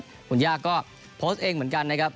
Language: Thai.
คุณย่าก็โพสต์เองเหมือนกันนะครับ